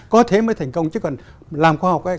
có thế mới thành công chứ còn làm khoa học ấy